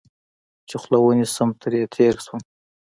چې خوله ونیسم، ترې تېر شوم.